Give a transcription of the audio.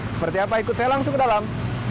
seperti apa ikut saya langsung ke dalam